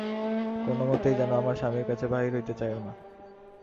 কোনোমতেই যেন আমার স্বামীর কাছে বাহির হইতে চাও না।